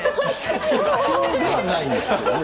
秘境ではないんですけどね。